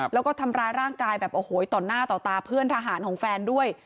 แล้วก็ทำร้ายร่างกายแบบโอ้โหต่อหน้าต่อตาเพื่อนทหารของแฟนด้วย